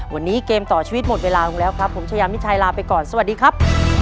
วันนี้เกมต่อชีวิตหมดเวลาลงแล้วครับผมชายามิชัยลาไปก่อนสวัสดีครับ